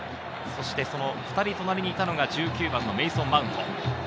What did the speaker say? ２人隣にいたのが１９番のメイソン・マウント。